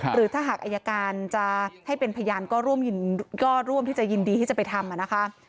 หรือถ้าหากอายการจะให้เป็นพยานก็ร่วมที่จะยินดีที่จะไปทำนะคะ